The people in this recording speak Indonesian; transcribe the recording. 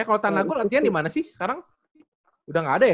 ya kalo tanago artinya dimana sih sekarang udah ga ada ya